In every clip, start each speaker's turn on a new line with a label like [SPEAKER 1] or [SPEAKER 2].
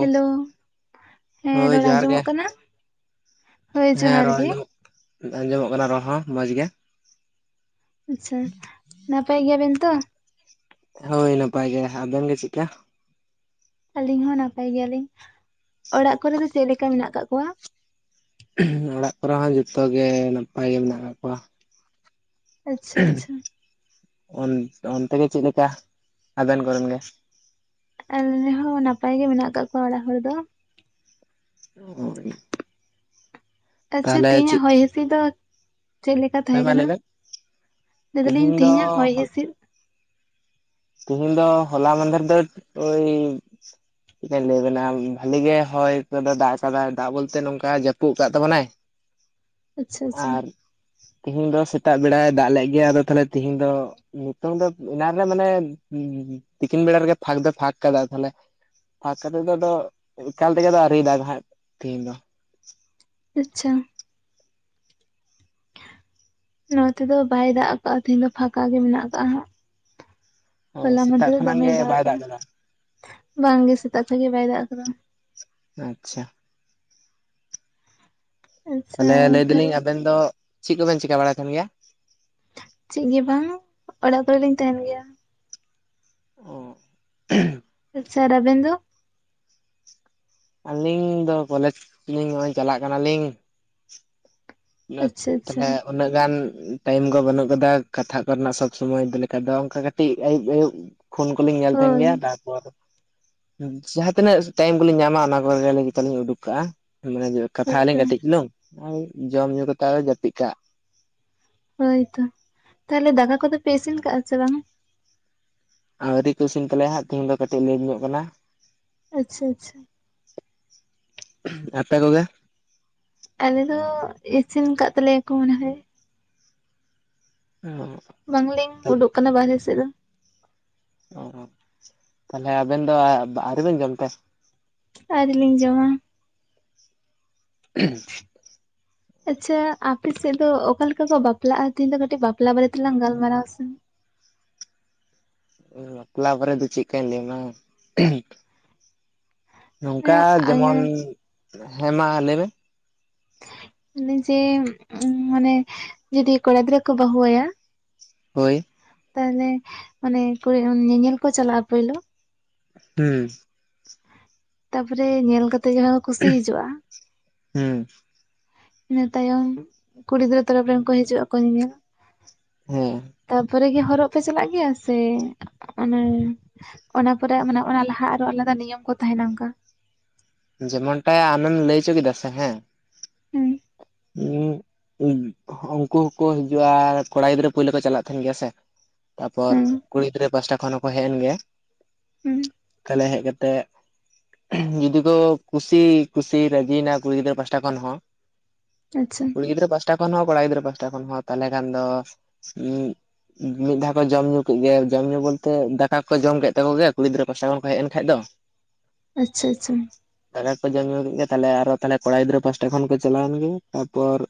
[SPEAKER 1] Hello ᱦᱮᱸ
[SPEAKER 2] ᱦᱳᱭ
[SPEAKER 1] ᱨᱚᱲ
[SPEAKER 2] ᱡᱚᱦᱟᱨ ᱜᱮ
[SPEAKER 1] ᱟᱸᱡᱚᱢᱚᱜ ᱠᱟᱱᱟ ᱦᱳᱭ
[SPEAKER 2] ᱦᱮᱸ
[SPEAKER 1] ᱡᱚᱦᱟᱨ
[SPEAKER 2] ᱨᱚᱲ
[SPEAKER 1] ᱜᱮ
[SPEAKER 2] ᱟᱸᱡᱚᱢᱚᱜ ᱟᱸᱡᱚᱢᱚᱜ ᱠᱟᱱᱟ ᱨᱚᱲ ᱦᱚᱸ ᱢᱚᱸᱡᱽ ᱜᱮ
[SPEAKER 1] ᱟᱪᱪᱷᱟ ᱱᱟᱯᱟᱭ ᱜᱮᱭᱟᱵᱮᱱ ᱛᱚ
[SPEAKER 2] ᱦᱳᱭ ᱱᱟᱯᱟᱭ ᱜᱮ ᱟᱵᱮᱱ ᱜᱮ ᱪᱮᱫ ᱞᱮᱠᱟ?
[SPEAKER 1] ᱟᱹᱞᱤᱧ ᱦᱚᱸ ᱱᱟᱯᱟᱭ ᱜᱮᱭᱟᱞᱤᱧ ᱚᱲᱟᱜ ᱠᱚᱨᱮ ᱫᱚ ᱪᱮᱫ ᱞᱮᱠᱟ ᱢᱮᱱᱟᱜ ᱠᱟᱜ ᱠᱚᱣᱟ
[SPEAKER 2] ᱚᱲᱟᱜ ᱠᱚᱨᱮ ᱦᱚᱸ ᱡᱷᱚᱛᱚ ᱜᱮ ᱱᱟᱯᱟᱭ ᱜᱮ ᱢᱮᱱᱟᱜ ᱠᱟᱜ ᱠᱚᱣᱟ
[SPEAKER 1] ᱟᱪᱪᱷᱟᱼᱟᱪᱪᱷᱟ
[SPEAKER 2] ᱚᱱ ᱚᱱᱛᱮ ᱜᱮ ᱪᱮᱫ ᱞᱮᱠᱟ ᱟᱵᱮᱱ ᱠᱚᱨᱮᱱ ᱜᱮ
[SPEAKER 1] ᱟᱞᱩᱧ ᱨᱤᱱ ᱦᱚᱸ ᱱᱟᱯᱟᱭ ᱜᱮ ᱢᱮᱱᱟᱜ ᱠᱟᱜ ᱠᱚᱣᱟ ᱚᱲᱟᱜ ᱦᱚᱲ ᱫᱚ
[SPEAKER 2] [unintelligible]
[SPEAKER 1] ᱟᱪᱪᱷᱟ
[SPEAKER 2] ᱛᱟᱦᱚᱞᱮ
[SPEAKER 1] ᱛᱮᱦᱤᱧᱟᱜ
[SPEAKER 2] ᱪᱮᱫ
[SPEAKER 1] ᱦᱚᱭ ᱦᱤᱥᱤᱫ ᱫᱚ? ᱪᱮᱫᱮᱠᱟ
[SPEAKER 2] ᱦᱳᱭ
[SPEAKER 1] ᱛᱟᱦᱮᱸ
[SPEAKER 2] ᱢᱟ
[SPEAKER 1] ᱠᱟᱱᱟ᱾
[SPEAKER 2] ᱞᱟᱹᱭ
[SPEAKER 1] ᱞᱟ.
[SPEAKER 2] ᱵᱮᱱ
[SPEAKER 1] ᱭ
[SPEAKER 2] ᱛᱮᱦᱮᱧ
[SPEAKER 1] ᱫᱟᱞᱤᱧ
[SPEAKER 2] ᱫᱚ
[SPEAKER 1] ᱛᱮᱦᱮᱧᱟᱜ ᱦᱚᱭ ᱦᱤᱸᱥᱤᱫ?
[SPEAKER 2] ᱛᱮᱦᱤᱧ ᱫᱚ ᱦᱚᱞᱟ ᱢᱟᱦᱽᱫᱷᱮᱨ ᱫᱚ ᱦᱳᱭ ᱪᱮᱫ ᱞᱤᱧ ᱞᱟᱹᱭᱵᱮᱱᱟ ᱵᱷᱟᱞᱤ ᱜᱮ ᱦᱚᱭ ᱠᱚᱫᱚ ᱫᱟᱜ ᱟᱠᱟᱫᱟᱭ ᱫᱟᱜ ᱵᱚᱞᱛᱮ ᱱᱚᱝᱠᱟ ᱡᱟᱹᱯᱩᱫ ᱠᱟᱜ ᱛᱟᱵᱚᱱᱟᱭ
[SPEAKER 1] [inaudible] ᱟᱪᱪᱷᱟ
[SPEAKER 2] ᱟᱨ ᱛᱤᱦᱤᱧ ᱫᱚ ᱥᱮᱛᱟᱜ ᱵᱮᱲᱟᱭ ᱫᱟᱜ ᱞᱮᱜ ᱜᱮᱭᱟ ᱟᱫᱚ ᱛᱟᱦᱞᱮ ᱛᱤᱦᱤᱧ ᱫᱚ ᱱᱤᱛᱚᱝ ᱫᱚ ᱮᱱᱟ ᱨᱮ ᱢᱟᱱᱮ [unintelligible] ᱛᱤᱠᱤᱱ ᱵᱮᱲᱟ ᱨᱮᱜᱮ ᱯᱷᱟᱸᱠ ᱫᱚ ᱯᱷᱟᱸᱠ ᱠᱟᱫᱟ ᱛᱟᱦᱞᱮ ᱯᱷᱟᱸᱠ ᱠᱟᱛᱮᱫ ᱫᱚ ᱟᱫᱚ ᱮᱠᱟᱞ ᱛᱮᱜᱮ ᱫᱚ ᱟᱶᱨᱤ ᱫᱟᱜ ᱦᱟᱜ ᱛᱤᱦᱤᱧ ᱫᱚ
[SPEAKER 1] ᱟᱪᱪᱷᱟ ᱱᱚᱛᱮ ᱫᱚ ᱵᱟᱭ ᱫᱟᱜ ᱟᱠᱟᱜ-ᱟ ᱛᱮᱦᱤᱧ ᱫᱚ ᱯᱷᱟᱸᱠᱟ ᱜᱮ ᱢᱮᱱᱟᱜ ᱠᱟᱜ-ᱟ ᱦᱟᱜ
[SPEAKER 2] ᱚ
[SPEAKER 1] ᱦᱚᱞᱟ
[SPEAKER 2] ᱥᱮᱛᱟᱜ
[SPEAKER 1] ᱢᱚᱦᱽᱫᱷᱮᱨ
[SPEAKER 2] ᱠᱷᱚᱱᱟᱜ
[SPEAKER 1] ᱫᱚᱢᱮᱭ
[SPEAKER 2] ᱜᱮ ᱵᱟᱭ
[SPEAKER 1] ᱫᱟᱜᱠᱟᱜ
[SPEAKER 2] ᱫᱟᱜ ᱠᱟᱫᱟ
[SPEAKER 1] ᱵᱟᱝᱜᱮ ᱥᱮᱛᱟᱜ ᱠᱷᱚᱱ ᱜᱮ ᱵᱟᱭ ᱫᱟᱜ ᱟᱠᱟᱫᱟ
[SPEAKER 2] ᱟᱪᱪᱷᱟ
[SPEAKER 1] ᱟᱪᱪᱷᱟ
[SPEAKER 2] ᱛᱟᱦᱚᱞᱮ ᱞᱟᱹᱭ ᱫᱟᱞᱤᱧ
[SPEAKER 1] ᱛᱟᱦᱚᱞᱮ
[SPEAKER 2] ᱟᱵᱮᱱ ᱫᱚ ᱪᱮᱫ ᱠᱚᱵᱮᱱ ᱪᱤᱠᱠᱟ ᱵᱟᱲᱟ ᱛᱟᱦᱸᱮᱱ ᱜᱮᱭᱟ᱾
[SPEAKER 1] ᱪᱮᱫ ᱜᱮ ᱵᱟᱝ᱾ ᱚᱲᱟᱜ ᱠᱚᱨᱮ ᱞᱤᱧ ᱛᱟᱦᱮᱱ ᱜᱮᱭᱟ᱾
[SPEAKER 2] ᱚ
[SPEAKER 1] ᱥᱟᱨ ᱟᱵᱮᱱ ᱫᱚ
[SPEAKER 2] ᱟᱹᱞᱤᱧ ᱫᱚ ᱠᱚᱞᱮᱡᱽ ᱞᱤᱧ ᱱᱚᱜᱼᱚᱭ ᱪᱟᱞᱟᱜ ᱠᱟᱱᱟᱞᱤᱧ
[SPEAKER 1] ᱟᱪᱪᱷᱟ
[SPEAKER 2] [unintelligible]
[SPEAKER 1] ᱟᱪᱪᱷᱟ
[SPEAKER 2] ᱛᱟᱦᱚᱞᱮ ᱩᱱᱟᱹᱜ ᱜᱟᱱ ᱴᱟᱭᱤᱢ ᱠᱚ ᱵᱟᱹᱱᱩᱜ ᱟᱠᱟᱫᱟ ᱠᱟᱛᱷᱟᱜ ᱠᱚᱨᱮᱱᱟᱜ ᱥᱚᱵᱽ ᱥᱚᱢᱚᱭ ᱞᱮᱠᱟ ᱫᱚ᱾ ᱚᱱᱠᱟ ᱠᱟᱹᱴᱤᱡ ᱟᱭᱩᱵ- ᱟᱭᱩᱵ ᱯᱷᱳᱱ ᱠᱚᱞᱤᱧ ᱧᱮᱞ ᱛᱟᱦᱮᱱ
[SPEAKER 1] ᱦᱳᱭ
[SPEAKER 2] ᱜᱮᱭᱟ᱾ ᱛᱟᱨᱯᱚᱨ ᱡᱟᱦᱟᱸ ᱛᱤᱱᱟᱹᱜ ᱴᱟᱭᱤᱢ ᱠᱚᱞᱤᱧ ᱧᱟᱢᱟ ᱚᱱᱟ ᱠᱚᱨᱮ ᱜᱮᱞᱤᱧ ᱩᱰᱩᱠ ᱠᱟᱜᱼᱟ, ᱢᱟᱱᱮ ᱠᱟᱛᱷᱟ ᱟᱞᱤᱧ
[SPEAKER 1] ᱦᱳᱭᱛᱚ
[SPEAKER 2] ᱠᱟᱹᱴᱤᱡ ᱪᱤᱞᱩᱝ ᱟᱨ ᱡᱚᱢ ᱧᱩ ᱠᱟᱛᱮ ᱟᱨ ᱡᱟᱹᱯᱤᱫ ᱠᱟᱜ᱾
[SPEAKER 1] ᱦᱳᱭᱛᱚ, ᱛᱟᱦᱚᱞᱮ ᱫᱟᱠᱟ ᱠᱚᱫᱚ ᱯᱮ ᱤᱥᱤᱱ ᱠᱟᱜ ᱟ ᱥᱮ ᱵᱟᱝ?
[SPEAKER 2] ᱟᱣᱨᱤ ᱠᱩᱥᱤᱧ ᱛᱟᱞᱮᱭᱟᱟᱸᱜ ᱛᱮᱦᱮᱧ ᱫᱚᱴᱤᱡ ᱞᱟᱹᱴ ᱧᱚᱜ ᱠᱟᱱᱟ᱾
[SPEAKER 1] ᱟᱪᱷᱟ ᱟᱪᱷᱟ
[SPEAKER 2] ᱟᱯᱮ ᱠᱚᱜᱮ
[SPEAKER 1] ᱟᱞᱮ ᱫᱚ ᱤᱥᱤᱱ ᱟᱠᱟᱫ ᱛᱟᱞᱮᱭᱟᱠᱚ ᱮᱱᱟᱱ ᱨᱮ
[SPEAKER 2] [inaudible]
[SPEAKER 1] ᱵᱟᱝᱞᱤᱧ ᱩᱰᱩᱠ ᱠᱟᱱᱟ ᱵᱟᱨᱦᱮ ᱥᱮᱫ ᱫᱚ
[SPEAKER 2] [unintelligible] ᱚ ᱛᱟᱦᱚᱞᱮ ᱟᱵᱮᱱ ᱫᱚ ᱟᱹᱣᱨᱤ ᱵᱮᱱ ᱡᱚᱢ ᱛᱮ
[SPEAKER 1] ᱟᱹᱣᱨᱤ ᱞᱤᱧ ᱡᱚᱢᱟ᱾
[SPEAKER 2] ᱸ [inaudible]
[SPEAKER 1] ᱟᱪᱪᱷᱟ ᱟᱯᱮ ᱥᱮᱫ ᱫᱚ ᱚᱠᱟᱮ ᱞᱮᱠᱟ ᱠᱚ ᱵᱟᱯᱞᱟᱜᱼᱟ? ᱛᱤᱦᱤᱧ ᱫᱚ ᱠᱟᱹᱴᱤᱡ ᱵᱟᱯᱞᱟ ᱵᱟᱨᱮ ᱛᱮᱞᱟᱝ ᱜᱟᱞᱢᱟᱨᱟᱣ ᱥᱮ
[SPEAKER 2] ᱵᱟᱯᱞᱟ ᱵᱚᱨᱮ ᱫᱚ ᱪᱮᱫ ᱞᱮᱠᱟᱧ ᱞᱟᱹᱭ ᱟᱢ ᱱᱚᱝᱠᱟ
[SPEAKER 1] ᱮᱸ ᱟᱭᱟ
[SPEAKER 2] ᱡᱮᱢᱚᱱ ᱦᱮᱸ ᱢᱟ ᱞᱟᱹᱭ ᱢᱮ
[SPEAKER 1] ᱮ ᱡᱮ ᱢᱟᱱᱮ ᱡᱩᱫᱤ ᱠᱚᱲᱟ ᱜᱤᱫᱽᱨᱟᱹ ᱠᱚ ᱵᱟᱹᱦᱩ ᱣᱟᱭᱟ
[SPEAKER 2] ᱦᱳᱭ
[SPEAKER 1] ᱛᱟᱦᱚᱞᱮ ᱢᱟᱱᱮ ᱠᱚᱲ ᱧᱮᱧᱮᱞ ᱠᱚ ᱪᱟᱞᱟᱜᱼᱟ, ᱯᱳᱭᱞᱳ
[SPEAKER 2] ᱦᱮᱸ
[SPEAKER 1] ᱛᱟᱯᱚᱨᱮ ᱧᱮᱞ ᱠᱟᱛᱮᱜ ᱡᱟᱦᱟᱸ ᱠᱚ ᱠᱩᱥᱤ ᱦᱤᱡᱩᱜᱼᱟ᱾
[SPEAKER 2] ᱦᱮᱸ
[SPEAKER 1] ᱤᱱᱟᱹ ᱛᱟᱭᱚᱢ ᱠᱩᱲᱤ ᱜᱤᱫᱽᱨᱟᱹ ᱛᱚᱨᱚᱯ ᱨᱮᱱ ᱠᱚ ᱦᱤᱡᱩᱜ ᱟᱠᱚ ᱧᱮᱧᱮᱞ
[SPEAKER 2] ᱦᱮᱸ
[SPEAKER 1] ᱛᱟᱯᱚᱨᱮ ᱜᱮ ᱦᱚᱨᱚᱜ ᱯᱮ ᱪᱟᱞᱟᱜ ᱜᱮᱭᱟ ᱥᱮ ᱚᱱᱮ ᱮᱸ ᱚᱱᱟ ᱯᱚᱨᱮ ᱢᱟᱱᱮ ᱚᱱᱟ ᱞᱟᱦᱟ ᱟᱨᱚ ᱟᱞᱟᱫᱟ ᱱᱤᱭᱚᱢ ᱠᱚ ᱛᱟᱦᱮᱱᱟ ᱚᱱᱠᱟ
[SPEAKER 2] ᱡᱮᱢᱚᱱ ᱴᱟ ᱟᱢᱮᱢ ᱞᱟᱹᱭ ᱚᱪᱚ ᱠᱮᱫᱟ ᱥᱮ ᱦᱮᱸ
[SPEAKER 1] ᱦᱩᱸ
[SPEAKER 2] ᱦᱮᱸ ᱩᱱᱠᱩ ᱦᱚᱸᱠᱚ ᱦᱤᱡᱩᱜᱼᱟ ᱠᱚᱲᱟ ᱜᱤᱫᱽᱨᱟᱹ ᱯᱩᱭᱞᱳ ᱠᱚ ᱪᱟᱞᱟᱜ ᱛᱟᱦᱮᱱ ᱜᱮᱭᱟ ᱥᱮ ᱛᱟᱯᱚᱨ
[SPEAKER 1] ᱦᱩᱸ
[SPEAKER 2] ᱠᱩᱲᱤ ᱜᱤᱫᱽᱨᱟᱹ ᱯᱟᱥᱴᱟ ᱠᱷᱚᱱ ᱦᱚᱸᱠᱚ ᱦᱮᱡ ᱮᱱ ᱜᱮ
[SPEAKER 1] ᱦᱩᱸ
[SPEAKER 2] ᱛᱟᱦᱞᱮ ᱦᱮᱡ ᱠᱟᱛᱮᱜ ᱡᱩᱫᱤ ᱠᱚ ᱠᱩᱥᱤ ᱠᱩᱥᱤ ᱨᱟᱹᱡᱤᱭᱮᱱᱟ ᱠᱩᱲᱤ ᱜᱤᱫᱽᱨᱟᱹ ᱯᱟᱥᱴᱟ ᱠᱷᱚᱱ ᱦᱚᱸ
[SPEAKER 1] ᱟᱪᱷᱟ
[SPEAKER 2] ᱠᱩᱲᱤ ᱜᱤᱫᱽᱨᱟᱹ ᱯᱟᱦᱴᱟ ᱠᱷᱚᱱ ᱦᱚᱸ ᱠᱚᱲᱟ ᱜᱤᱫᱽᱨᱟᱹ ᱯᱟᱦᱴᱟ ᱠᱷᱚᱱ ᱦᱚᱸ ᱢᱤᱫ ᱫᱷᱟᱣ ᱠᱚ ᱡᱚᱢ ᱧᱩ ᱠᱮᱫ ᱜᱮ ᱡᱚᱢ ᱧᱩ ᱵᱚᱞᱛᱮ ᱫᱟᱠᱟ ᱠᱚ ᱡᱚᱢ ᱠᱮᱫᱟᱠᱚ ᱜᱮᱭᱟ ᱠᱩᱲᱤ ᱜᱤᱫᱽᱨᱟᱹ ᱠᱚᱟᱥᱟ ᱠᱷᱚᱱ ᱠᱚ ᱦᱮᱡ ᱮᱱ ᱠᱷᱟᱡ ᱫᱚ
[SPEAKER 1] ᱟᱪᱷᱟ ᱟᱪᱷᱟ
[SPEAKER 2] ᱫᱟᱠᱟ ᱠᱚ ᱡᱚᱢ ᱧᱩ ᱠᱮᱫ ᱜᱮ ᱛᱚ ᱠᱚᱲᱟ ᱜᱤᱫᱽᱨᱟᱹ ᱯᱟᱦᱴᱟ ᱠᱷᱚᱱ ᱠᱚ ᱪᱟᱞᱟᱣ ᱮᱱ ᱜᱮ ᱛᱟᱨᱯᱚᱨ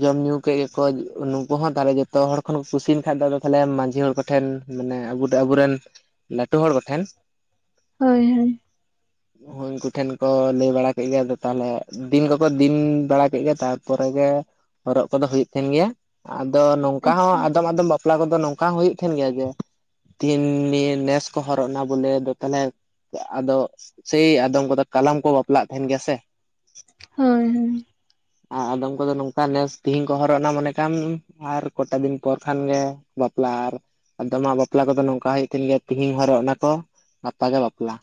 [SPEAKER 2] ᱡᱚᱢ ᱧᱩ ᱠᱮᱫ ᱜᱮᱠᱚ ᱩᱱᱩᱠᱩ ᱦᱚᱸ ᱛᱟᱦᱞᱮ ᱡᱚᱛᱚ ᱦᱚᱲ ᱠᱷᱚᱱ ᱠᱚ ᱠᱩᱥᱤᱭᱮᱱ ᱠᱷᱟᱡ ᱫᱚ ᱛᱟᱦᱮ ᱢᱟᱡᱷᱤ ᱦᱚᱲ ᱴᱷᱮᱱ ᱢᱟᱱᱮ ᱟᱵ ᱟᱵᱚᱨᱮᱱ ᱞᱟᱹᱴᱩ ᱦᱚᱲ ᱠᱚᱴᱷᱮᱱ
[SPEAKER 1] ᱦᱳᱭ ᱦᱳᱭ
[SPEAKER 2] ᱦᱚᱭ ᱩᱱᱠᱩ ᱴᱷᱮᱱ ᱠᱚ ᱞᱟᱹᱭ ᱵᱟᱲᱟ ᱠᱮᱫ ᱜᱮᱭᱟ ᱛᱟᱦᱚᱞᱮ ᱫᱤᱱ ᱠᱚᱠᱚ ᱫᱤᱱ ᱵᱟᱲᱟ ᱜᱮ ᱛᱟᱨᱯᱚᱨᱮ ᱜᱮ ᱦᱚᱨᱚᱜ ᱠᱚᱫᱚ ᱦᱩᱭᱩᱜᱭ ᱛᱟᱦᱮᱱ ᱜᱮᱭᱟ᱾ ᱟᱫᱚ ᱱᱚᱝᱠᱟ ᱦᱚᱸ
[SPEAKER 1] ᱦᱳᱭ
[SPEAKER 2] ᱟᱫᱚᱢ ᱟᱫᱚᱢ ᱵᱟᱯᱞᱟ ᱠᱚᱫᱚ ᱱᱚᱝᱠᱟ ᱦᱚᱸ ᱦᱩᱭᱩᱜᱭ ᱛᱟᱦᱮᱸᱮᱱ ᱜᱮᱭᱟ ᱡᱮ ᱛᱤᱱ ᱱᱮᱥ ᱠᱚ ᱦᱚᱨᱚᱜ ᱱᱟ ᱵᱚᱞᱮ ᱛᱟᱦᱚᱞᱮ ᱟᱫᱚ ᱥᱮᱭ ᱟᱫᱚᱢ ᱠᱚᱫᱚ ᱠᱟᱞᱟᱢ ᱠᱚ ᱵᱟᱯᱞᱟᱜ ᱛᱟᱦᱮᱱ ᱜᱮᱭᱟ ᱥᱮ
[SPEAKER 1] ᱦᱳᱭ ᱦᱳᱭ
[SPEAKER 2] ᱟᱨ ᱟᱫᱚᱢ ᱠᱚᱫᱚ ᱱᱚᱝᱠᱟ ᱱᱮᱥ ᱛᱮᱦᱤᱧ ᱠᱚ ᱦᱚᱨᱚᱜ ᱱᱟ ᱢᱚᱱᱮ ᱠᱟᱢ ᱟᱨ ᱠᱚᱴᱟ ᱫᱤᱱ ᱯᱚᱨ ᱠᱷᱟᱱ ᱜᱮ ᱵᱟᱯᱞᱟ ᱟᱨ ᱟᱫᱚᱢᱟᱜ ᱵᱟᱯᱞᱟ ᱠᱚᱫᱚ ᱱᱚᱝᱠᱟ ᱦᱩᱭᱩᱜ ᱛᱟᱹᱦᱤᱱ ᱜᱮᱭᱟ ᱛᱤᱦᱤᱧ ᱦᱚᱨᱚᱜ ᱱᱟ ᱠᱚ ᱜᱟᱯᱟ ᱜᱮ ᱵᱟᱯᱞᱟ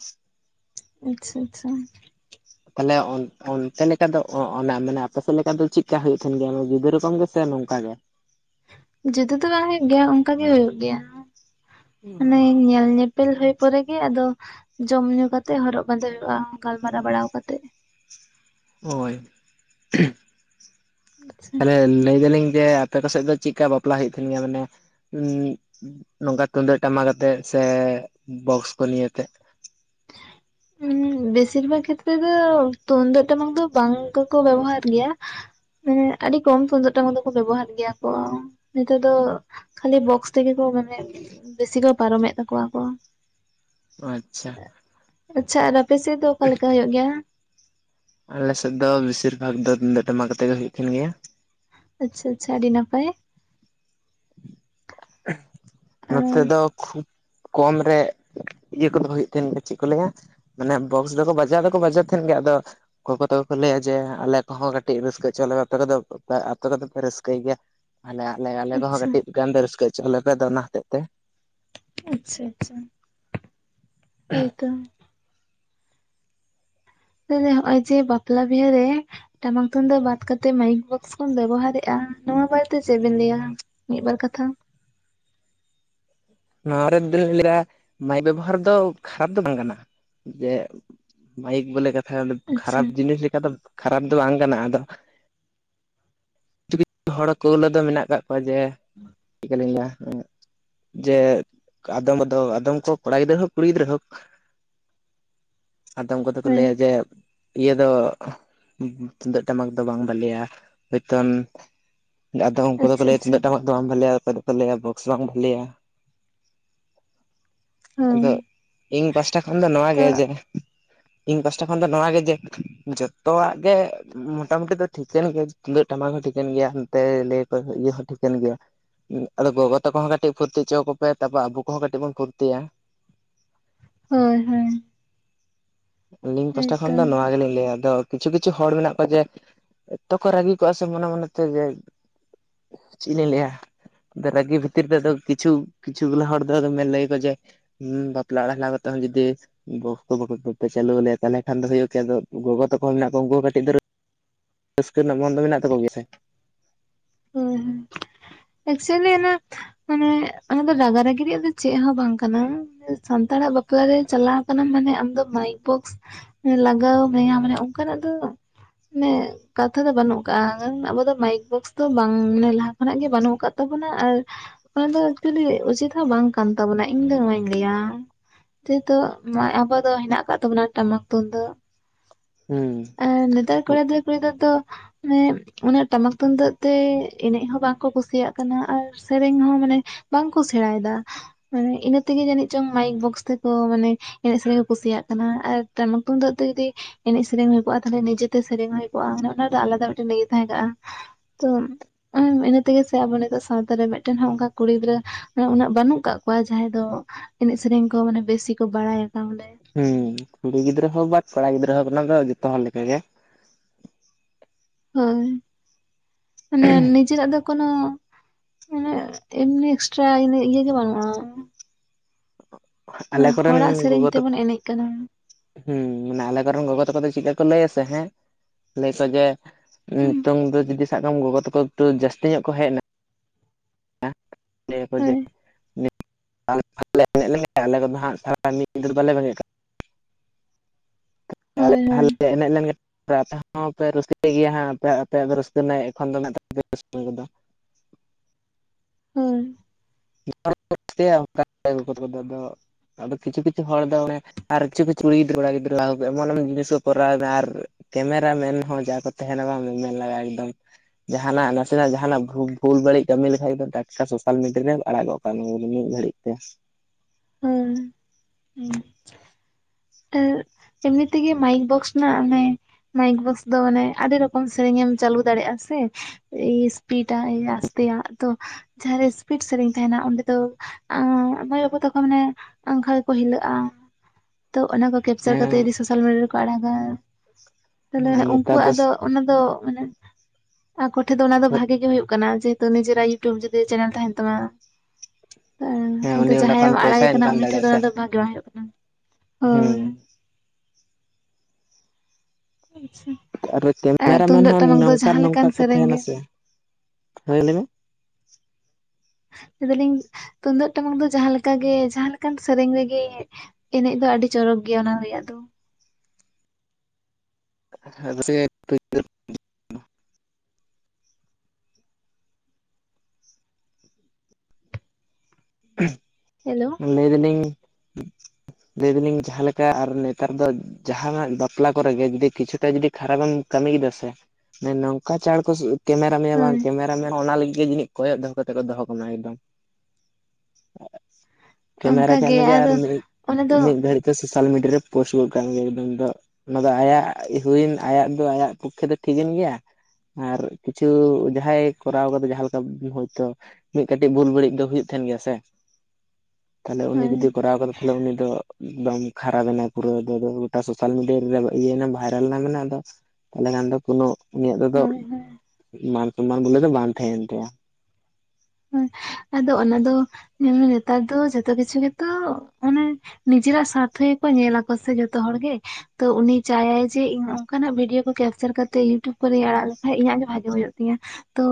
[SPEAKER 1] ᱟᱪᱷᱟ ᱟᱪᱷᱟ
[SPEAKER 2] ᱛᱟᱦᱚᱞᱮ ᱚᱱ ᱚᱱᱛᱮ ᱞᱮᱠᱟ ᱫᱚ ᱚᱸ ᱚᱱᱟ ᱢᱟᱱᱮ ᱟᱯᱮ ᱥᱮᱫ ᱞᱮᱠᱟ ᱫᱚ ᱪᱤᱫᱠᱟ ᱦᱩᱭᱩᱜ ᱛᱟᱹᱦᱮᱱ ᱜᱮᱭᱟ ᱡᱩᱫᱟᱹ ᱨᱚᱠᱚᱢ ᱜᱮ ᱥᱮ ᱱᱚᱝᱠᱟ ᱜᱮ
[SPEAKER 1] ᱡᱩᱫᱟᱹ ᱫᱚ ᱵᱟᱝ ᱦᱩᱭᱩᱜ ᱜᱮᱭᱟ ᱚᱱᱠᱟ ᱜᱮ ᱦᱩᱭᱩᱜ ᱜᱮᱭᱟ ᱢᱟᱱᱮ ᱧᱮᱞ ᱧᱮᱯ ᱯᱮᱞ ᱦᱩᱭ ᱯᱚᱨᱮ ᱜᱮ ᱟᱫᱚ ᱡᱚᱢ ᱧᱩ ᱠᱟᱛᱮᱜ ᱦᱚᱨᱚᱜ ᱵᱟᱸᱫᱮ ᱦᱩᱭᱩᱜᱼᱟ ᱜᱟᱞᱢᱟᱨᱟᱣ ᱵᱟᱲᱟᱣ ᱠᱟᱛᱮᱜ
[SPEAKER 2] ᱦᱳᱭ ᱛᱟᱦᱚᱞᱮ ᱞᱟᱹᱭ ᱫᱟᱹᱞᱤᱧ ᱡᱮ ᱟᱯᱮ ᱠᱚᱥᱮᱫ ᱫᱚ ᱪᱤᱫᱠᱟ ᱵᱟᱯᱞᱟ ᱦᱩᱭᱩᱜ ᱛᱟᱦᱮᱱ ᱜᱮᱭᱟ ᱢᱟᱱᱮ ᱩᱢ ᱱᱚᱝᱠᱟ ᱛᱩᱢᱫᱟᱹᱜ ᱴᱟᱢᱟᱠ ᱟᱛᱮᱫ ᱥᱮ ᱵᱚᱠᱥ ᱠᱚ ᱱᱤᱭᱟᱹ ᱟᱛᱮᱫ
[SPEAKER 1] ᱦᱚᱢ ᱵᱮᱥᱤᱨ ᱵᱷᱟᱜᱽ ᱠᱷᱮᱛᱨᱮ ᱫᱚ ᱛᱩᱢᱫᱟᱜ ᱴᱟᱢᱟᱠ ᱫᱚ ᱵᱟᱝ ᱜᱮᱠᱚ ᱵᱮᱵᱚᱦᱟᱨ ᱜᱮᱭᱟ ᱮᱸᱜ ᱟᱹᱰᱤ ᱠᱚᱢ ᱛᱩᱢᱫᱟᱹᱜ ᱴᱟᱢᱟᱠ ᱫᱚᱠᱚ ᱵᱮᱵᱚᱦᱟᱨ ᱜᱮᱭᱟ ᱠᱚ ᱱᱮᱛᱟᱨ ᱫᱚ ᱠᱷᱟᱹᱞᱤ ᱵᱚᱠᱥ ᱛᱮᱜᱮ ᱠᱚ ᱢᱟᱱᱮ ᱵᱮᱥᱤ ᱠᱚ ᱯᱟᱨᱚᱢᱮᱫ ᱛᱟᱠᱚᱣᱟ ᱠᱚ
[SPEAKER 2] ᱟᱪᱷᱟ
[SPEAKER 1] ᱟᱪᱷᱟ ᱟᱨ ᱟᱯᱮ ᱥᱮᱫ ᱫᱚ ᱚᱠᱟ ᱞᱮᱠᱟ ᱦᱩᱭᱩᱜ ᱜᱮᱭᱟ
[SPEAKER 2] ᱟᱞᱮ ᱥᱮᱫ ᱫᱚ ᱵᱮᱥᱤᱨ ᱵᱷᱟᱜᱽ ᱫᱚ ᱛᱩᱢᱫᱟᱹᱜ ᱴᱟᱢᱟᱠ ᱟᱛᱮ ᱜᱮ ᱦᱩᱭᱩᱜ ᱛᱟᱹᱦᱮᱱ ᱜᱮᱭᱟ
[SPEAKER 1] ᱟᱪᱷᱟ ᱟᱪᱷᱟ ᱟᱹᱰᱤ ᱱᱟᱯᱟᱭ
[SPEAKER 2] ᱱᱚᱛᱮ
[SPEAKER 1] ᱟᱨ
[SPEAKER 2] ᱫᱚ ᱠᱷᱩᱵ ᱠᱚᱢᱨᱮ ᱤᱭᱟᱹ ᱠᱚᱫᱚ ᱦᱩᱭᱩᱜ ᱛᱟᱹᱦᱮᱱ ᱜᱮ ᱪᱮᱫ ᱠᱚ ᱞᱟᱹᱭᱟ? ᱢᱟᱱᱮ ᱵᱚᱠᱥ ᱫᱚᱠᱚ ᱵᱟᱡᱟᱣ ᱫᱚᱠᱚ ᱵᱟᱡᱟᱣ ᱛᱟᱦᱮᱱ ᱜᱮᱭᱟ ᱟᱫᱚ ᱜᱚᱜᱚ ᱛᱟᱠᱚ ᱠᱚ ᱞᱟᱹᱭᱟ ᱡᱮ ᱟᱞᱮ ᱠᱚᱦᱚᱸ ᱠᱟᱹᱴᱤᱡ ᱨᱟᱹᱥᱠᱟᱹ ᱚᱪᱚ ᱟᱞᱮ ᱯᱮ ᱟᱯᱮ ᱠᱚᱫᱚ ᱛᱟ ᱟᱯᱮ ᱠᱚᱫᱚ ᱯᱮ ᱨᱟᱹᱥᱠᱟᱹᱭ ᱜᱮᱭᱟ ᱟᱞᱮ ᱟᱞᱮ ᱟᱞᱮ ᱠᱚᱦᱚᱸ
[SPEAKER 1] ᱟᱪᱪᱷᱟ
[SPEAKER 2] ᱠᱟᱹᱴᱤᱡ ᱜᱟᱱ ᱫᱚ ᱨᱟᱹᱥᱠᱟᱹ ᱚᱪᱚᱣᱟᱞᱮᱯᱮ ᱟᱫᱚ ᱚᱱᱟ ᱦᱚᱛᱮᱫ ᱛᱮ
[SPEAKER 1] ᱟᱪᱪᱷᱟ ᱟᱪᱪᱷᱟ ᱦᱚᱭᱛᱚ ᱞᱟᱹᱭ ᱫᱟᱹᱧ ᱱᱚᱜ-ᱚᱭ ᱡᱮ ᱵᱟᱯᱞᱟ ᱵᱤᱦᱟᱹ ᱨᱮ ᱴᱟᱢᱟᱠ ᱛᱩᱢᱫᱟᱜ ᱵᱟᱫᱽ ᱠᱟᱛᱮᱫ ᱢᱟᱭᱤᱠ ᱵᱚᱠᱥ ᱵᱚᱱ ᱵᱮᱵᱚᱦᱟᱨᱮᱫᱼᱟ ᱱᱚᱣᱟ ᱵᱟᱨᱮᱛᱮ ᱪᱮᱫ ᱵᱮᱱ ᱞᱟᱹᱭᱟ ᱢᱤᱫᱵᱟᱨ ᱠᱟᱛᱷᱟ
[SPEAKER 2] ᱱᱚᱣᱟ ᱨᱮ [inaudible] ᱞᱟᱹᱭ ᱫᱟ ᱢᱟᱭᱤᱠ ᱵᱮᱵᱚᱦᱟᱨ ᱫᱚ ᱠᱷᱟᱨᱟᱯ ᱫᱚ ᱵᱟᱝ ᱠᱟᱱᱟ ᱡᱮ ᱢᱟᱭᱤᱠ ᱵᱚᱞᱮ ᱠᱟᱛᱷᱟ
[SPEAKER 1] ᱟᱪᱪᱷᱟ
[SPEAKER 2] ᱠᱷᱟᱨᱟᱯ ᱡᱤᱱᱤᱥ ᱞᱮᱠᱟ ᱫᱚ ᱠᱷᱟᱨᱟᱯ ᱫᱚ ᱵᱟᱝ ᱠᱟᱱᱟ ᱟᱫᱚ [inaudible] ᱦᱚᱲ ᱠᱟᱹᱣᱞᱟᱹ ᱫᱚ ᱢᱮᱱᱟᱜ ᱠᱟᱜ ᱠᱚᱣᱟ ᱡᱮ ᱪᱮᱫ ᱠᱟᱞᱤᱧ ᱞᱟᱹᱭᱟ ᱡᱮ ᱟᱫᱚᱢ ᱫᱚ ᱟᱫᱚᱢ ᱠᱚ ᱠᱚᱲᱟ ᱜᱤᱫᱽᱨᱟᱹ ᱦᱳᱠ ᱠᱩᱲᱤ ᱜᱤᱫᱽᱨᱟᱹ ᱦᱳᱠ
[SPEAKER 1] [inaudible]
[SPEAKER 2] ᱟᱫᱚᱢ ᱠᱚᱫᱚ ᱠᱚ
[SPEAKER 1] ᱦᱳᱭ
[SPEAKER 2] ᱞᱟᱹᱭᱟ ᱡᱮ ᱤᱭᱟᱹ ᱫᱚ ᱛᱩᱢᱫᱟᱹᱜ ᱴᱟᱢᱟᱠ ᱫᱚ ᱵᱟᱝ ᱵᱷᱟᱞᱤᱭᱟ ᱛᱚ ᱟᱫᱚ ᱩᱱᱠᱩ ᱫᱚᱠᱚ
[SPEAKER 1] ᱟᱪᱪᱷᱟ
[SPEAKER 2] ᱞᱟᱹᱭᱟ
[SPEAKER 1] ᱟᱪᱪᱷᱟ
[SPEAKER 2] ᱛᱩᱢᱫᱟᱜ ᱴᱟᱢᱟᱠ ᱫᱚ ᱵᱟᱝ ᱵᱷᱟᱞᱮᱭᱟ ᱚᱠᱚᱭ ᱫᱚᱠᱚ ᱞᱟᱹᱭᱟ ᱵᱚᱠᱥ ᱵᱟᱝ ᱵᱷᱟᱞᱮᱭᱟ ᱟᱫᱚ
[SPEAKER 1] ᱦᱳᱭ
[SPEAKER 2] ᱤᱧ ᱯᱟᱥᱴᱟ ᱠᱷᱚᱱ ᱫᱚ ᱱᱚᱣᱟ
[SPEAKER 1] ᱛᱚ
[SPEAKER 2] ᱜᱮ ᱡᱮ ᱤᱧ ᱯᱟᱥᱴᱟ ᱠᱷᱚᱱ ᱫᱚ ᱱᱚᱣᱟ ᱜᱮ ᱡᱮ ᱡᱚᱛᱚᱣᱟᱜ ᱜᱮ ᱢᱚᱴᱟ ᱢᱩᱴᱤ ᱫᱚ ᱴᱷᱤᱠᱟᱹᱱ ᱜᱮᱭᱟ ᱛᱩᱢᱫᱟᱹᱜ ᱴᱟᱢᱟᱠ ᱦᱚᱸ ᱴᱷᱤᱠᱟᱹᱱ ᱜᱮᱭᱟ ᱱᱚᱛᱮ ᱞᱟᱹᱭᱟᱠᱚ ᱤᱭᱟᱹ ᱦᱚᱸ ᱴᱷᱤᱠᱟᱹᱱ ᱜᱮᱭᱟ ᱟᱫᱚ ᱜᱚᱜᱚ ᱛᱟᱠᱚ ᱦᱚᱸ ᱠᱟᱹᱴᱤᱡ ᱯᱷᱩᱨᱛᱤ ᱦᱚᱪᱚᱣᱟ ᱠᱚᱯᱮ ᱛᱟᱯᱚᱨ ᱟᱵᱚ ᱠᱚᱦᱚᱸ ᱠᱟᱹᱴᱤᱡ ᱵᱚᱱ ᱯᱷᱩᱨᱛᱤᱭᱟ
[SPEAKER 1] ᱦᱳᱭ ᱦᱳᱭ
[SPEAKER 2] ᱟᱹᱞᱤᱧ ᱯᱟᱥᱴᱟ ᱠᱷᱚᱱ
[SPEAKER 1] ᱦᱳᱭᱛᱚ
[SPEAKER 2] ᱫᱚ ᱱᱚᱣᱟ ᱜᱮᱞᱤᱧ ᱞᱟᱹᱭᱟ ᱟᱫᱚ ᱠᱤᱪᱷᱩ ᱠᱤᱪᱷᱩ ᱦᱚᱲ ᱢᱮᱱᱟᱜ ᱠᱚᱣᱟ ᱡᱮ ᱮᱛᱛᱚ ᱠᱚ ᱨᱟᱹᱜᱤ ᱠᱚᱜᱼᱟ ᱥᱮ ᱢᱚᱱᱮ ᱢᱚᱱᱮ ᱛᱮ ᱡᱮ ᱪᱮᱫ ᱞᱤᱧ ᱞᱟᱹᱭᱟ ᱫᱚ ᱨᱟᱹᱜᱤ ᱵᱷᱤᱛᱤᱨ ᱛᱮᱫᱚ ᱠᱤᱪᱷᱩ ᱠᱤᱪᱷᱩ ᱜᱩᱞᱟ ᱦᱚᱲ ᱫᱚ ᱫᱚᱢᱮ ᱞᱟᱹᱭ ᱟᱠᱚ ᱡᱮ ᱦᱩᱸ ᱵᱟᱯᱞᱟ ᱚᱲᱟᱜ ᱦᱮᱞᱟᱣ ᱠᱟᱛᱮᱜ ᱦᱚᱸ ᱡᱩᱫᱤ [inaudible] ᱪᱟᱹᱞᱩ ᱟᱞᱭᱟ ᱛᱚᱞᱦᱮ ᱠᱷᱟᱱ ᱫᱚ ᱦᱳᱭᱳᱜ ᱠᱷᱟᱡ ᱫᱚ ᱜᱚᱜᱚ ᱛᱚᱠᱷ ᱢᱮᱱᱟᱜ ᱠᱚ ᱩᱱ ᱠᱟᱹᱴᱤᱡ ᱨᱟᱹᱥᱠᱟᱹ ᱨᱮᱱᱟᱜ ᱢᱚᱱ ᱫᱚ ᱢᱮᱱᱟᱜ ᱛᱟᱠᱚ ᱜᱮᱭᱟ ᱥᱮ
[SPEAKER 1] ᱦᱮᱸ ᱦᱮᱸ ᱮᱠᱪᱚᱞᱤ ᱢᱟᱱᱮ ᱚᱱᱟ ᱫᱚ ᱨᱟᱜᱟ ᱨᱟᱹᱜᱤ ᱨᱮᱭᱟᱜ ᱫᱚ ᱪᱮᱫ ᱦᱚᱸ ᱵᱟᱝ ᱠᱟᱱᱟ ᱥᱟᱱᱛᱟᱲᱟᱜ ᱵᱟᱯᱞᱟ ᱨᱮ ᱪᱟᱞᱟᱣ ᱠᱟᱱᱟᱢ ᱢᱟᱱᱮ ᱟᱢ ᱫᱚ ᱢᱟᱭᱤᱠ ᱵᱚᱠᱥ ᱞᱟᱜᱟᱣ ᱢᱮᱭᱟ ᱢᱟᱱᱮ ᱚᱱᱠᱟᱱᱼᱟᱜ ᱫᱚ ᱢᱟᱱᱮ ᱠᱟᱛᱷᱟ ᱫᱚ ᱵᱟᱹᱱᱩᱜ ᱟᱠᱟᱜᱼᱟ ᱠᱟᱨᱚᱱ ᱟᱵᱚ ᱫᱚ ᱢᱟᱭᱤᱠ ᱵᱚᱠᱥ ᱛᱚ ᱵᱟᱝ ᱢᱟᱱᱮ ᱞᱟᱦᱟ ᱠᱷᱚᱱᱟᱜ ᱜᱮ ᱵᱟᱹᱱᱩᱜ ᱟᱠᱟᱫ ᱛᱟᱵᱚᱱᱟ ᱟᱨ ᱚᱱᱟ ᱫᱚ ᱮᱠᱪᱚᱞᱤ ᱩᱪᱤᱛ ᱦᱚᱸ ᱵᱟᱝ ᱠᱟᱱ ᱛᱟᱵᱚᱱᱟ ᱤᱧ ᱫᱚ ᱱᱚᱣᱟᱧ ᱞᱟᱹᱭᱟ ᱱᱚᱜᱼᱚᱭ ᱟᱵᱚ ᱫᱚ ᱦᱮᱱᱟᱜ ᱟᱠᱟᱫ ᱛᱟᱵᱚᱱᱟ ᱴᱟᱢᱟᱠ ᱛᱩᱢᱫᱟᱜ
[SPEAKER 2] ᱦᱩᱸ
[SPEAKER 1] ᱟᱨ ᱱᱮᱛᱟᱨ ᱠᱚᱲᱟ ᱜᱤᱫᱽᱨᱟᱹ ᱠᱩᱲᱤ ᱜᱤᱫᱟᱹᱨ ᱫᱚ ᱢᱟᱱᱮ ᱩᱱᱟᱹᱜ ᱴᱟᱢᱟᱠ ᱛᱩᱢᱫᱟᱜ ᱛᱮ ᱮᱱᱮᱡ ᱦᱚᱸ ᱵᱟᱝ ᱠᱚ ᱠᱩᱥᱤᱭᱟᱜ ᱠᱟᱱᱟ ᱟᱨ ᱥᱮᱨᱮᱧ ᱦᱚᱸ ᱢᱟᱱᱮ ᱵᱟᱝ ᱠᱚ ᱥᱮᱬᱟᱭ ᱮᱫᱟ ᱢᱟᱱᱮ ᱤᱱᱟᱹ ᱛᱮᱜᱮ ᱡᱟᱹᱱᱤᱡ ᱪᱚᱝ ᱢᱟᱭᱤᱠ ᱵᱚᱠᱥ ᱛᱮᱠᱚ ᱢᱟᱱᱮ ᱮᱱᱮᱡ ᱥᱮᱨᱮᱧ ᱠᱚ ᱠᱩᱥᱤᱭᱟᱜ ᱠᱟᱱᱟ ᱟᱨ ᱴᱟᱢᱟᱠ ᱛᱩᱱᱫᱟᱹᱜ ᱛᱮ ᱡᱩᱫᱤ ᱮᱱᱮᱡ ᱥᱮᱨᱮᱧ ᱦᱩᱭ ᱠᱚᱜᱼᱟ ᱛᱟᱞᱦᱮ ᱱᱤᱡᱮᱛᱮ ᱥᱮᱨᱮᱧ ᱦᱩᱭ ᱠᱚᱜᱼᱟ ᱚᱱᱮ ᱚᱱᱟᱴᱟᱜ ᱟᱞᱟᱫᱟ ᱢᱮᱫᱴᱮᱱ ᱤᱭᱟᱹ ᱛᱟᱦᱮᱸ ᱠᱚᱜᱼᱟ ᱛᱚ ᱤᱱᱟᱹ ᱛᱮᱜᱮ ᱥᱮ ᱟᱵᱚ ᱱᱤᱛᱚᱜ ᱥᱟᱶᱛᱟ ᱨᱮ ᱢᱤᱫᱴᱮᱱ ᱚᱱᱠᱟ ᱠᱩᱲᱤ ᱜᱤᱫᱽᱨᱟᱹ ᱢᱟᱱᱮ ᱩᱱᱟᱹᱜ ᱵᱟᱹᱱᱩᱜ ᱠᱟᱜ ᱠᱚᱣᱟ ᱡᱟᱦᱟᱸᱭ ᱫᱚ ᱮᱱᱮᱡ ᱥᱤᱨᱤᱧ ᱠᱚ ᱢᱟᱱᱮ ᱵᱮᱥᱤ ᱠᱚ ᱵᱟᱲᱟᱭ ᱟᱠᱚ ᱵᱚᱞᱮ
[SPEAKER 2] ᱦᱚᱸ ᱠᱩᱲᱤ ᱜᱤᱫᱽᱨᱟᱹ ᱦᱚᱸ ᱵᱟᱛ ᱠᱚᱲᱟ ᱜᱤᱫᱽᱨᱟᱹ ᱦᱚᱸ ᱵᱟᱹᱱᱩᱜ ᱠᱚᱣᱟ ᱡᱚᱛᱚ ᱦᱚᱲ ᱞᱮᱠᱟᱜ ᱜᱮ
[SPEAKER 1] ᱦᱳᱭ ᱢᱟᱱᱮ ᱱᱤᱡᱮᱨᱼᱟᱜ ᱫᱚ ᱠᱚᱱᱚ ᱢᱟᱱᱮ ᱮᱢᱱᱤ ᱮᱠᱥᱴᱨᱟ ᱤᱭᱟᱹ ᱜᱮ ᱵᱟᱹᱱᱩᱜᱼᱟ ᱢᱟᱱᱮ
[SPEAKER 2] ᱟᱞᱮ ᱠᱚᱨᱮᱱ
[SPEAKER 1] ᱦᱚᱲᱟᱜ ᱥᱮᱨᱮᱧ
[SPEAKER 2] ᱜᱚᱜᱚ ᱛᱟᱠᱚ
[SPEAKER 1] ᱛᱮᱵᱚᱱ ᱮᱱᱮᱡ ᱠᱟᱱᱟ
[SPEAKER 2] ᱦᱩᱸ ᱢᱟᱱᱮ ᱟᱞᱮ ᱠᱚᱨᱮᱱ ᱜᱚᱜᱚ ᱛᱟᱠᱚ ᱫᱚ ᱪᱮᱫ ᱞᱮᱠᱟ ᱠᱚ ᱞᱟᱹᱭᱼᱟ ᱥᱮ ᱦᱮᱸ ᱞᱟᱹᱭ ᱟᱠᱚ ᱡᱮ
[SPEAKER 1] ᱦᱩᱸ
[SPEAKER 2] ᱱᱤᱛᱳᱝ ᱫᱚ ᱡᱩᱫᱤ ᱥᱟᱵ ᱠᱟᱜ ᱢᱮ ᱜᱚᱜᱚ ᱛᱟᱠᱚ ᱮᱠᱴᱩ ᱡᱟᱹᱥᱛᱤ ᱧᱚᱜ ᱠᱚ ᱦᱮᱡ ᱱᱟ ᱞᱟᱹᱭ ᱟᱠᱚ ᱡᱮ
[SPEAKER 1] ᱦᱳᱭ
[SPEAKER 2] ᱟᱞᱮ ᱟᱞᱮ ᱞᱟᱦᱟ ᱞᱮ ᱮᱱᱮᱡ ᱞᱮᱱ ᱜᱮ ᱟᱞᱮ ᱠᱚᱫᱚ ᱦᱟᱸᱜ ᱢᱤᱫ ᱧᱤᱫᱟᱹ ᱵᱟᱞᱮ ᱵᱮᱸᱜᱮᱫ ᱠᱟᱜ ᱟᱞᱮ
[SPEAKER 1] ᱦᱳᱭ
[SPEAKER 2] ᱞᱟᱦᱟ
[SPEAKER 1] ᱦᱳᱭ
[SPEAKER 2] ᱞᱮ ᱮᱱᱮᱡ ᱞᱮᱱ ᱜᱮ ᱟᱯᱮ ᱦᱚᱸᱯᱮ ᱨᱟᱹᱥᱠᱟᱹᱭ ᱜᱮᱭᱟ ᱦᱟᱸᱜ ᱟᱯᱮᱭᱟᱜ ᱫᱚ ᱨᱟᱹᱥᱠᱟᱹ ᱮᱠᱷᱚᱱ ᱫᱚ ᱢᱮᱱᱟᱜ ᱛᱮᱭᱟ ᱥᱚᱢᱚᱭ ᱠᱚᱫᱚ
[SPEAKER 1] ᱦᱚᱭ
[SPEAKER 2] [unintelligible] ᱟᱫᱚ ᱠᱤᱪᱷᱩ ᱠᱤᱪᱷᱩ ᱦᱚᱲ ᱫᱚ ᱚᱱᱮ ᱟᱨ ᱠᱤᱪᱷᱩ ᱠᱤᱪᱷᱩ ᱠᱩᱲᱤ ᱜᱤᱫᱽᱨᱟᱹ ᱠᱚᱲᱟ ᱜᱤᱫᱽᱨᱟᱹ ᱮᱢᱚᱱ ᱮᱢᱚᱱ ᱡᱤᱱᱤᱥ ᱠᱚᱨᱟᱣ ᱮᱫᱟ ᱟᱨ ᱠᱮᱢᱮᱨᱟ ᱢᱮᱱ ᱦᱚᱸ ᱡᱟ ᱠᱚ ᱛᱟᱦᱮᱱ ᱟ ᱵᱟᱝ ᱢᱮᱢᱮᱱ ᱞᱟᱜᱟᱜᱼᱟ ᱮᱠᱫᱚᱢ ᱡᱟᱦᱟᱱᱼᱟᱜ ᱱᱟᱥᱮᱱᱟᱜ ᱡᱟᱦᱟᱱᱼᱟᱜ ᱵᱷᱩᱞ ᱵᱟᱹᱲᱤᱡ ᱠᱟᱹᱢᱤ ᱞᱮᱠᱷᱟᱡ ᱴᱟᱴᱠᱟ ᱥᱳᱥᱟᱞ ᱢᱤᱰᱤᱭᱟ ᱨᱮ ᱟᱲᱟᱜ ᱜᱚᱜ ᱢᱮᱭᱟ ᱠᱚ ᱵᱚᱞᱮ ᱢᱤᱫ ᱜᱷᱟᱹᱲᱤᱡ ᱛᱮ
[SPEAKER 1] ᱦᱳᱭ ᱮᱢᱱᱤ ᱛᱮᱜᱮ ᱢᱟᱭᱤᱠ ᱵᱚᱠᱥ ᱨᱮᱱᱟᱜ ᱢᱟᱱᱮ ᱢᱟᱭᱤᱠ ᱵᱚᱠᱥ ᱫᱚ ᱢᱟᱱᱮ ᱟᱹᱰᱤ ᱨᱚᱠᱚᱢ ᱥᱮᱨᱮᱧ ᱮᱢ ᱪᱟᱹᱞᱩ ᱫᱟᱲᱮᱜᱼᱟ ᱥᱮ ᱥᱯᱤᱴ ᱟᱜ ᱤᱧ ᱟᱥᱛᱮ ᱟ ᱛᱚ ᱡᱟᱦᱟᱸᱨᱮ ᱥᱯᱤᱴ ᱥᱮᱨᱮᱧ ᱛᱟᱦᱮᱱᱟ ᱚᱸᱰᱮ ᱫᱚ ᱢᱟᱹᱭ ᱵᱟᱹᱵᱩ ᱛᱟᱠᱚ ᱢᱟᱱᱮ ᱟᱸᱠᱷᱟ ᱜᱮᱠᱚ ᱦᱤᱞᱟᱹᱜᱼᱟ ᱛᱚ ᱚᱱᱟ ᱠᱚ ᱠᱮᱯᱪᱟᱨ ᱠᱟᱛᱮ
[SPEAKER 2] ᱦᱮᱸ
[SPEAKER 1] ᱡᱩᱫᱤ ᱥᱳᱥᱟᱞ ᱢᱤᱰᱤᱭᱟ ᱨᱮᱠᱚ ᱟᱲᱟᱜᱟ ᱛᱟᱞᱦᱮ
[SPEAKER 2] ᱟᱨ ᱱᱮᱛᱟᱨ
[SPEAKER 1] ᱩᱱᱠᱩᱣᱟᱜ ᱫᱚ ᱚᱱᱟ ᱫᱚ ᱢᱟᱱᱮ ᱟᱠᱚ ᱴᱷᱮᱡ ᱫᱚ ᱚᱱᱟ ᱫᱚ ᱵᱷᱟᱜᱮ ᱜᱮ ᱦᱩᱭᱩᱜ ᱠᱟᱱᱟ ᱠᱟᱱᱟ ᱡᱮᱦᱚᱛᱩ ᱱᱤᱡᱮᱨᱼᱟᱜ ᱤᱭᱩᱴᱩᱵᱽ ᱡᱩᱫᱤ ᱪᱮᱱᱮᱞ ᱛᱟᱦᱮᱱ ᱛᱟᱢᱟ
[SPEAKER 2] ᱦᱮᱸ
[SPEAKER 1] ᱠᱤᱱᱛᱩ
[SPEAKER 2] ᱩᱱᱤ ᱚᱸᱰᱮ
[SPEAKER 1] ᱡᱟᱦᱟᱸᱭ
[SPEAKER 2] ᱠᱷᱚᱱ
[SPEAKER 1] ᱮᱢ ᱟᱲᱟᱜᱮ
[SPEAKER 2] ᱯᱚᱭᱥᱟᱭ
[SPEAKER 1] ᱠᱟᱱᱟ
[SPEAKER 2] ᱤᱱᱠᱟᱢ
[SPEAKER 1] ᱩᱱᱤ ᱴᱷᱮᱡ ᱫᱚ ᱚᱱᱟ ᱫᱚ ᱵᱷᱟᱜᱮ ᱵᱟᱝ ᱦᱳᱭᱳᱜ ᱠᱟᱱᱟ ᱦᱳᱭ
[SPEAKER 2] ᱦᱩᱸ
[SPEAKER 1] ᱚ ᱟᱪᱷᱟ
[SPEAKER 2] ᱟᱨ ᱠᱮᱢᱮᱨᱟ ᱢᱮᱱ ᱦᱚᱸ ᱱᱚᱝᱠᱟᱱ ᱱᱚᱝᱠᱟ
[SPEAKER 1] ᱞᱮᱠᱟᱱ
[SPEAKER 2] ᱠᱚ
[SPEAKER 1] ᱥᱮᱨᱮᱧ
[SPEAKER 2] ᱛᱟᱦᱮᱱ ᱟ
[SPEAKER 1] ᱜᱮ
[SPEAKER 2] ᱥᱮ ᱦᱳᱭ ᱞᱟᱹᱭ ᱢᱮ
[SPEAKER 1] ᱞᱮᱫᱟᱞᱤᱧ ᱛᱩᱢᱫᱟᱹᱜ ᱴᱟᱢᱟᱠ ᱫᱚ ᱡᱟᱦᱟᱸ ᱞᱮᱠᱟᱜᱮ ᱡᱟᱦᱟᱸ ᱞᱮᱠᱟᱱ ᱥᱮᱨᱮᱧ ᱨᱮᱜᱮ ᱮᱱᱮᱡ ᱫᱚ ᱟᱹᱰᱤ ᱪᱚᱨᱚᱠ ᱜᱮᱭᱟ ᱚᱱᱟ ᱨᱮᱭᱟᱜ ᱫᱚ
[SPEAKER 2] ᱟ ᱥᱮ [unintelligible] ᱦᱸ [unintelligible]
[SPEAKER 1] ᱦᱮᱞᱳ
[SPEAKER 2] ᱞᱟᱹᱭ ᱫᱟᱞᱤᱧ [unintelligible] ᱞᱟᱹᱭ ᱫᱟᱞᱤᱧ ᱡᱟᱦᱟᱸᱮ ᱞᱮᱠᱟ ᱟᱨ ᱱᱮᱛᱟᱨ ᱫᱚ ᱡᱟᱦᱟᱱᱟᱜ ᱵᱟᱯᱞᱟ ᱠᱚᱨᱮᱜ ᱜᱮ ᱡᱩᱫᱤ ᱠᱤᱪᱷᱩᱴᱟ ᱡᱩᱫᱤ ᱠᱷᱟᱨᱟᱯᱮ ᱮᱢ ᱠᱟᱹᱢᱤ ᱠᱮᱫᱟ ᱥᱮ ᱱᱚᱝᱠᱟ ᱪᱟᱬ ᱠᱚ ᱠᱮᱢᱮᱨᱟ ᱢᱮᱭᱟ ᱵᱟᱝ
[SPEAKER 1] ᱦᱳᱭ
[SPEAKER 2] ᱠᱮᱢᱮᱨᱟ ᱢᱮᱱ ᱚᱱᱟ ᱞᱟᱹᱜᱤᱫ ᱜᱮ ᱡᱟᱹᱱᱤᱡ ᱠᱚᱭᱚᱜ ᱫᱚᱦᱚ ᱠᱟᱛᱮ ᱠᱚ ᱫᱚᱦᱚ ᱠᱟᱢᱟᱭ ᱮᱠᱫᱚᱢ [unintelligible] ᱠᱮᱢᱮᱨᱟ ᱠᱮᱜ
[SPEAKER 1] ᱚᱱᱠᱟᱜᱮ
[SPEAKER 2] ᱢᱮᱜᱮ ᱟᱨ
[SPEAKER 1] ᱟᱫᱚ
[SPEAKER 2] ᱢᱤᱫ
[SPEAKER 1] ᱚᱱᱟ ᱫᱚ
[SPEAKER 2] ᱢᱤᱫ ᱜᱷᱟᱹᱲᱤᱡ ᱥᱳᱥᱟᱞ ᱢᱤᱰᱤᱭᱟ ᱨᱮ ᱯᱳᱥᱴ ᱠᱟᱱ ᱜᱮ ᱮᱠᱫᱚᱢ ᱫᱚ ᱚᱱᱟᱫᱚ ᱟᱭᱟᱜ ᱦᱩᱭᱮᱱ ᱟᱭᱟᱜ ᱫᱚ ᱟᱭᱟᱜ ᱯᱚᱠᱠᱷᱮ ᱫᱚ ᱴᱷᱤᱠᱮᱱ ᱜᱮᱭᱟ ᱟᱨ ᱠᱤᱪᱷᱩ ᱡᱟᱦᱟᱸᱭ ᱠᱚᱨᱟᱣ ᱠᱟᱫᱟ ᱡᱟᱦᱟᱸ ᱞᱮᱠᱟ ᱦᱚᱭᱛᱚ ᱢᱤᱫ ᱠᱟᱹᱴᱤᱡ ᱵᱩᱞ ᱵᱟᱹᱲᱤᱡ ᱫᱚ ᱦᱩᱭᱩᱜ ᱛᱟᱦᱮᱱ ᱜᱮᱭᱟ ᱥᱮ ᱛᱟᱦᱚᱞᱮ ᱩᱱᱤ
[SPEAKER 1] ᱦᱳᱭ
[SPEAKER 2] ᱡᱩᱫᱤ ᱵᱚᱨᱟ-ᱵᱚᱨ ᱵᱷᱩᱞ ᱟᱭ ᱩᱱᱤ ᱫᱚ ᱮᱠᱫᱚᱢ ᱠᱷᱟᱨᱟᱯ ᱮᱱᱟ ᱯᱩᱨᱟᱹ ᱜᱚᱴᱟ ᱥᱚᱥᱟᱞ ᱢᱤᱰᱤᱭᱟ ᱨᱮ ᱤᱭᱟᱹᱭ ᱵᱷᱟᱭᱨᱟᱞ ᱮᱱᱟ ᱢᱮᱱᱟ ᱟᱫᱚ ᱛᱟᱦᱚᱞᱮ ᱠᱷᱟᱱ ᱫᱚ ᱠᱚᱱᱚ ᱩᱱᱤᱭᱟᱜ ᱛᱮ ᱫᱚ
[SPEAKER 1] ᱦᱳᱭ ᱦᱳᱭ
[SPEAKER 2] ᱢᱟᱱ-ᱥᱚᱢᱢᱟᱱ ᱵᱚᱞᱮ ᱫᱚ ᱵᱟᱝ ᱛᱟᱦᱮᱱ ᱛᱟᱭᱟ
[SPEAKER 1] ᱟᱫᱚ ᱚᱱᱟ ᱫᱚ ᱟᱫᱚ ᱡᱚᱛᱚ ᱠᱤᱪᱷᱩ ᱜᱮᱛᱚ ᱢᱟᱱᱮ ᱱᱤᱡᱮᱨᱟᱜ ᱥᱟᱨᱛᱷᱚ ᱜᱮᱠᱚ ᱧᱮᱞᱟᱠᱚ ᱥᱮ ᱡᱚᱛᱚ ᱦᱚᱲ ᱜᱮ ᱛᱚ ᱩᱱᱤ ᱪᱟᱭᱟᱭ ᱡᱮ ᱤᱧ ᱚᱱᱠᱟᱱᱟᱜ ᱵᱷᱤᱰᱭᱚ ᱠᱚ ᱠᱮᱯᱪᱟᱨ ᱠᱟᱛᱮᱜ ᱤᱭᱩᱴᱩᱵ ᱠᱚᱨᱮᱧ ᱟᱲᱟᱜ ᱞᱮᱠᱷᱟᱡ ᱤᱧᱟᱹᱜ ᱜᱮ ᱵᱷᱟᱜᱮ ᱦᱩᱭᱩᱜ ᱛᱤᱧᱟ ᱛᱚ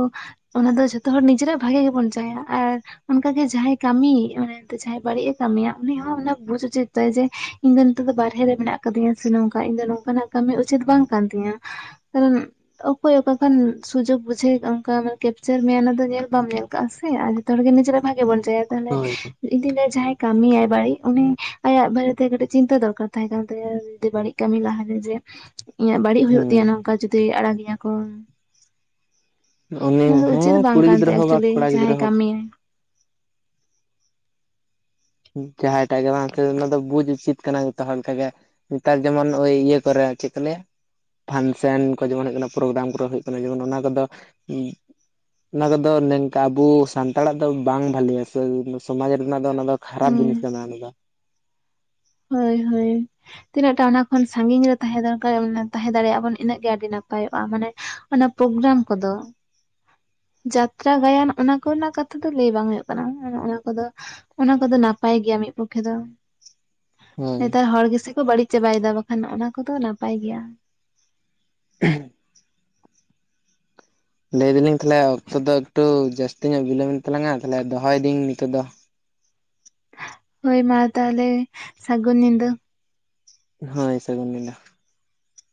[SPEAKER 1] ᱚᱱᱟ ᱫᱚ ᱡᱚᱛᱚ ᱦᱚᱲ ᱱᱤᱡᱮᱨᱟᱜ ᱵᱷᱟᱜᱤ ᱜᱮᱵᱚᱱ ᱪᱟᱭᱟ ᱟᱨ ᱚᱱᱠᱟᱜᱮ ᱡᱟᱦᱟᱸᱭ ᱠᱟᱹᱢᱤ ᱡᱟᱦᱟᱸᱭ ᱵᱟᱹᱲᱤᱡ ᱮ ᱠᱟᱹᱢᱤᱭᱟ ᱩᱱᱤ ᱦᱚᱸ ᱮ ᱵᱩᱡ ᱩᱪᱤᱛ ᱛᱟᱭ ᱡᱮ ᱤᱧ ᱫᱚ ᱱᱤᱛᱚᱜ ᱫᱚ ᱵᱟᱨᱦᱮ ᱨᱮ ᱢᱮᱱᱟᱜ ᱟᱠᱟᱫᱤᱧᱟ ᱥᱮ ᱱᱚᱝᱠᱟ ᱤᱧ ᱫᱚ ᱱᱚᱝᱠᱟᱱᱟᱜ ᱠᱟᱹᱢᱤ ᱩᱪᱤᱛ ᱵᱟᱝ ᱠᱟᱱ ᱛᱤᱧᱟ ᱠᱚᱱ ᱚᱠᱚᱭ ᱚᱠᱟ ᱠᱷᱚᱱᱟᱱ ᱥᱩᱡᱳᱜᱽ ᱵᱩᱡᱷᱟᱹᱣ ᱚᱱᱠᱟ ᱠᱮᱯᱪᱟᱨ ᱢᱮᱭᱟ ᱚᱱᱟ ᱫᱚ ᱧᱮᱞ ᱵᱟᱢ ᱧᱮᱞ ᱠᱟᱜᱼᱟ ᱥᱮ ᱟᱨ ᱡᱚᱛᱚ ᱦᱚᱲ ᱜᱮ ᱱᱤᱡᱮᱨ ᱵᱷᱟᱜᱤ ᱵᱚᱱ ᱪᱟᱭᱟ ᱛᱟᱦᱚᱞᱮ
[SPEAKER 2] ᱦᱳᱭ
[SPEAKER 1] ᱤᱧᱫᱚ ᱞᱟᱹᱭᱟ ᱡᱟᱦᱟᱸᱭ ᱠᱟᱹᱢᱤᱭᱟᱭ ᱵᱟᱹᱲᱤᱡ ᱩᱱᱤ ᱟᱭᱟᱜ ᱵᱟᱨᱮᱛᱮ ᱠᱟᱹᱴᱤᱡ ᱪᱤᱱᱛᱟᱹ ᱫᱚᱨᱠᱟᱨ ᱛᱟᱦᱮᱸ ᱠᱟᱱ ᱛᱟᱭᱟ ᱡᱤᱫᱤ ᱵᱟᱹᱲᱤᱡ ᱠᱟᱹᱢᱤ ᱞᱟᱦᱟᱨᱮ ᱡᱮ ᱤᱧᱟᱹᱜ ᱵᱟᱹᱲᱤᱡ ᱦᱩᱭᱩᱜ
[SPEAKER 2] ᱦᱩᱸ
[SPEAKER 1] ᱛᱤᱧᱟᱹ ᱱᱚᱝᱠᱟ ᱡᱩᱫᱤ ᱟᱲᱟᱜ ᱤᱧᱟ ᱠᱚ
[SPEAKER 2] ᱩᱱᱤ
[SPEAKER 1] ᱚᱱᱟ ᱫᱚ
[SPEAKER 2] ᱦᱮᱸ
[SPEAKER 1] ᱩᱪᱤᱛ ᱵᱟᱝ
[SPEAKER 2] ᱠᱩᱲᱤ
[SPEAKER 1] ᱠᱟᱱ
[SPEAKER 2] ᱜᱤᱫᱽᱨᱟᱹ
[SPEAKER 1] ᱛᱟᱭᱟ
[SPEAKER 2] ᱦᱳᱠ ᱵᱟ
[SPEAKER 1] ᱮᱠᱪᱩᱭᱮᱞᱤ
[SPEAKER 2] ᱠᱚᱲᱟ
[SPEAKER 1] ᱡᱟᱦᱟᱸᱭ
[SPEAKER 2] ᱜᱤᱫᱽᱨᱟᱹ ᱦᱳᱠ
[SPEAKER 1] ᱠᱟᱹᱢᱤᱭᱟᱭ
[SPEAKER 2] ᱡᱟᱦᱟᱸᱭᱴᱟᱜ ᱜᱮ ᱵᱟᱝ ᱚᱱᱟ ᱫᱚ ᱵᱩᱡᱽ ᱩᱪᱤᱛ ᱠᱟᱱᱟ ᱡᱚᱛᱚ ᱦᱚᱲ ᱞᱮᱠᱟᱜᱮ ᱱᱮᱛᱟᱨ ᱡᱮᱢᱚᱱ ᱳᱭ ᱤᱭᱟᱹ ᱠᱚᱨᱮ ᱪᱮᱫ ᱠᱚ ᱞᱟᱹᱭᱟ ᱯᱷᱟᱱᱥᱮᱱ ᱠᱚ ᱡᱮᱢᱚᱱ ᱦᱩᱭᱩᱜ ᱠᱟᱱᱟ ᱯᱨᱚᱜᱨᱟᱢ ᱠᱚᱨᱮ ᱦᱩᱭᱩᱜ ᱠᱟᱱᱟ ᱡᱮᱢᱚᱱ ᱚᱱᱟ ᱠᱚᱫᱚ ᱚᱱᱟ ᱠᱚᱫᱚ ᱱᱚᱝᱠᱟ ᱟᱵᱚ ᱥᱟᱱᱛᱟᱲᱟᱜ ᱫᱚ ᱵᱟᱝ ᱵᱷᱟᱞᱮᱭᱟ ᱥᱮ ᱥᱚᱢᱟᱡᱽ ᱨᱮᱱᱟᱜ ᱫᱚ ᱚᱱᱟ ᱫᱚ ᱠᱷᱟᱨᱟᱯ ᱡᱤᱱᱤᱥ ᱠᱟᱱᱟ ᱚᱱᱟ ᱫᱚ
[SPEAKER 1] ᱦᱚᱭ-ᱦᱚᱭ ᱛᱤᱱᱟᱹᱜ ᱚᱱᱟ ᱠᱷᱚᱱ ᱥᱟᱺᱜᱤᱧ ᱨᱮ ᱛᱟᱦᱮᱸ ᱫᱚᱨᱠᱟᱨ ᱛᱟᱦᱮᱸ ᱫᱟᱲᱮᱭᱟᱜᱼᱟ ᱵᱚᱱ ᱤᱱᱟᱹᱜ ᱜᱮ ᱟᱹᱰᱤ ᱱᱟᱯᱟᱭᱚᱜᱼᱟ ᱢᱟᱱᱮ ᱚᱱᱟ ᱯᱨᱚᱜᱨᱟᱢ ᱠᱚᱫᱚ ᱡᱟᱛᱨᱟ ᱜᱟᱭᱟᱱ ᱚᱱᱟ ᱠᱚᱨᱮᱱᱟᱜ ᱠᱟᱛᱷᱟ ᱫᱚ ᱞᱟᱹᱭ ᱵᱟᱝ ᱦᱩᱭᱩᱜ ᱠᱟᱱᱟ ᱚᱱ-ᱚᱱᱟ ᱠᱚᱫᱚ ᱚᱱᱟ ᱠᱚᱫᱚ ᱱᱟᱯᱟᱭ ᱜᱮᱭᱟ ᱢᱤᱫ ᱯᱚᱠᱷᱮ ᱫᱚ
[SPEAKER 2] ᱦᱳᱭ
[SPEAKER 1] ᱱᱮᱛᱟᱨ ᱦᱚᱲ ᱜᱮᱥᱮ ᱠᱚ ᱵᱟᱹᱲᱤᱡ ᱪᱟᱵᱟᱭᱮᱫᱟ ᱵᱟᱠᱷᱟᱱ ᱱᱚᱜ-ᱱᱚᱣᱟ ᱠᱚᱫᱚ ᱱᱟᱯᱟᱭ ᱜᱮᱭᱟ
[SPEAKER 2] ᱪᱮᱫ ᱦᱚᱸ ᱵᱟᱝ ᱞᱟᱹᱭ ᱮ ᱫᱟᱞᱤᱧ ᱛᱟᱦᱚᱞᱮ ᱚᱠᱛᱚ ᱫᱚ ᱮᱠᱴᱩ ᱡᱟᱹᱥᱛᱤ ᱧᱚᱜ ᱵᱤᱞᱚᱢ ᱮᱱ ᱛᱟᱞᱟᱝᱟ ᱛᱟᱦᱚᱞᱮ ᱫᱚᱦᱚᱭᱮᱫᱟᱹᱧ ᱱᱤᱛᱚᱜ ᱫᱚ
[SPEAKER 1] ᱦᱚᱭ ᱢᱟ ᱛᱟᱦᱚᱞᱮ ᱥᱟᱹᱜᱩᱱ ᱧᱤᱫᱟᱹ
[SPEAKER 2] ᱦᱚᱭ ᱥᱟᱹᱜᱩᱱ ᱱᱤᱫᱟᱹ